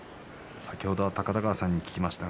先ほど高田川さんに聞きました。